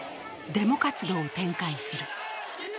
デモ活動を展開する。